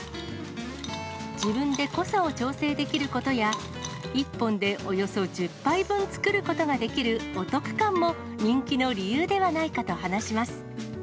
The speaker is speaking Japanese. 自分で濃さを調整できることや、１本でおよそ１０杯分作ることができるお得感も人気の理由ではないかと話します。